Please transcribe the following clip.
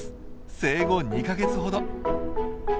生後２か月ほど。